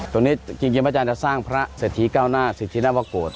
ตรงนี้จริงพระอาจารย์จะสร้างพระเศรษฐีเก้าหน้าสิทธินวโกรธ